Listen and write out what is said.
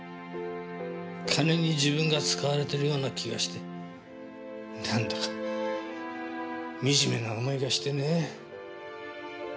金に自分が使われてるような気がしてなんだかみじめな思いがしてねえ。